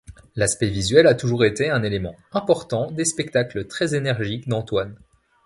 L'aspect visuel a toujours été un élément important des spectacles très énergiques d'Antoine.